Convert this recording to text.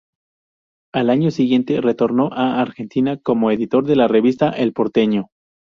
Al año siguiente retornó a Argentina como editor de la revista "El Porteño".